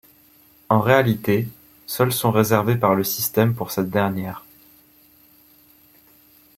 En réalité, seuls sont réservés par le système pour cette dernière.